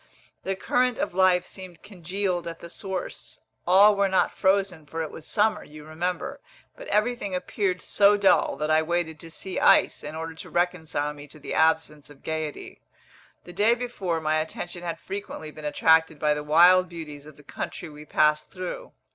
The current of life seemed congealed at the source: all were not frozen, for it was summer, you remember; but everything appeared so dull that I waited to see ice, in order to reconcile me to the absence of gaiety. The day before, my attention had frequently been attracted by the wild beauties of the country we passed through.